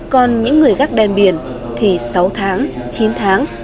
còn những người gắt đèn biển thì sáu tháng chín tháng